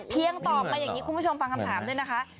ยังตอบมาอย่างนี้คุณผู้ชมฟังคำถามด้วยนะคะ